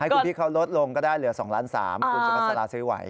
ให้คุณพี่เขารดลงก็ได้เหลือ๒ล้าน๓บาทคุณจะแบบซีวิวัย